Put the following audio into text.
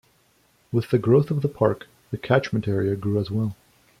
With the growth of the park, the catchment area grew as well.